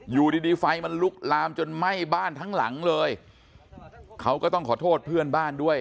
อยู่ดีดีไฟมันลุกลามจนไหม้บ้านทั้งหลังเลยเขาก็ต้องขอโทษเพื่อนบ้านด้วย